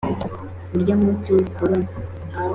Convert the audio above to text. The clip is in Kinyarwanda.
urya munsi w'ubukorikori